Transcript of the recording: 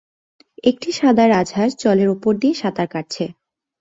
একটা সাদা রাজহাঁস জলের ওপর দিয়ে সাঁতার কাটছে